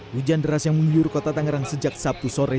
hujan deras yang menggiur kota tangerang sejak sabtu sore